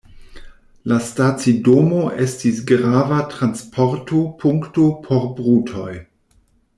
La stacidomo estis grava transporto-punkto por brutoj.